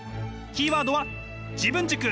キーワードは自分軸！